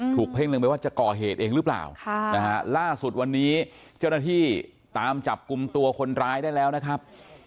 เพ่งหนึ่งไปว่าจะก่อเหตุเองหรือเปล่าล่าสุดวันนี้เจ้าหน้าที่ตามจับกลุ่มตัวคนร้ายได้แล้วนะครับ